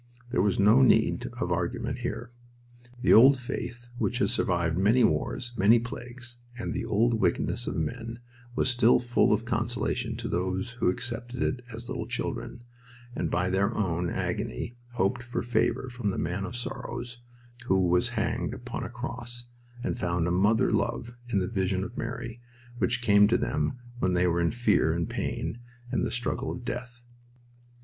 There was no need of argument here. The old faith which has survived many wars, many plagues, and the old wickedness of men was still full of consolation to those who accepted it as little children, and by their own agony hoped for favor from the Man of Sorrows who was hanged upon a cross, and found a mother love in the vision of Mary, which came to them when they were in fear and pain and the struggle of death.